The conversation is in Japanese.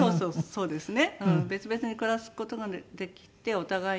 そうですね。